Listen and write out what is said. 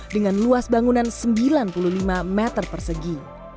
dengan luas bangunan sembilan puluh lima meter persegi